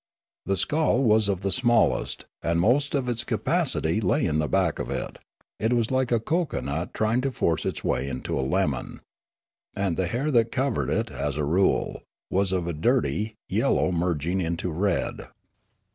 The skull was of the smallest, and most of its capacity lay in the back of it ; it was like a cocoanut trying to force its way into a lemon. And the hair that covered it, as a rule, was of a dirt}^ yellow merging into red.